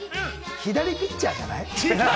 左ピッチャーじゃない？